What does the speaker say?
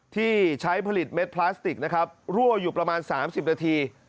ที่ใช้ผลิตเม็ดพลาสติกนะครับรั่วอยู่ประมาณ๓๐นาที